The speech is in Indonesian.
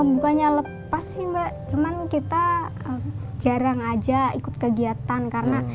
bukannya lepas sih mbak cuman kita jarang aja ikut kegiatan karena